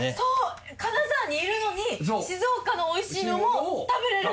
金沢にいるのに静岡のおいしいものを食べれる。